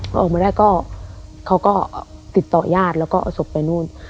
พอออกมาได้ก็เขาก็ติดต่อยาดแล้วก็เอาศพไปนู่น